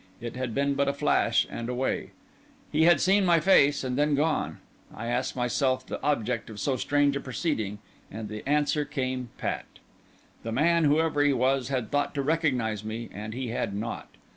It had been but a flash, and away. He had seen my face, and then gone. I asked myself the object of so strange a proceeding, and the answer came pat. The man, whoever he was, had thought to recognise me, and he had not.